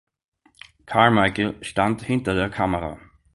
Carmichael stand hinter der Kamera.